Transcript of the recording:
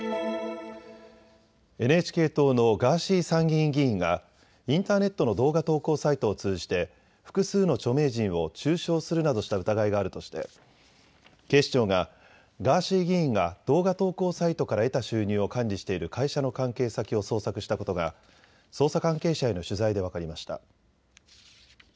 ＮＨＫ党のガーシー参議院議員がインターネットの動画投稿サイトを通じて複数の著名人を中傷するなどした疑いがあるとして警視庁がガーシー議員が動画投稿サイトから得た収入を管理している会社の関係先を捜索したことが捜査関係者への取材で分かりました。